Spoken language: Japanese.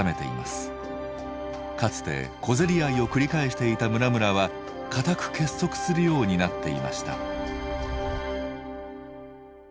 かつて小競り合いを繰り返していた村々は固く結束するようになっていました。